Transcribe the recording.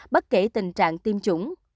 bất kể tình trạng tiêm chủng